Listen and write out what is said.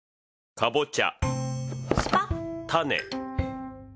カボチャ。